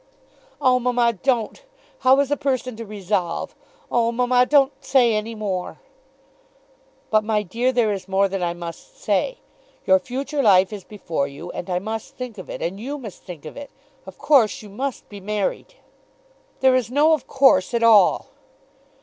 "Oh, mamma, don't. How is a person to resolve? Oh, mamma, don't say any more." "But, my dear, there is more that I must say. Your future life is before you, and I must think of it, and you must think of it. Of course you must be married." "There is no of course at all."